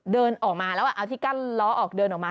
เดินออกมาแล้วเอาที่กั้นล้อออกเดินออกมา